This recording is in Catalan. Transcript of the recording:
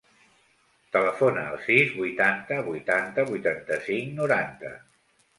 Telefona al sis, vuitanta, vuitanta, vuitanta-cinc, noranta.